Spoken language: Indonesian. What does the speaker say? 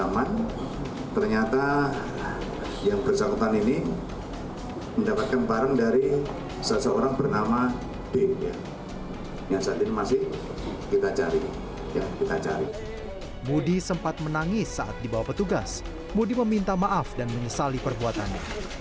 modi sempat menangis saat dibawa petugas modi meminta maaf dan menyesali perbuatannya